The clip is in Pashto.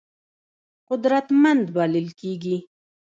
قدرتمند بلل کېږي.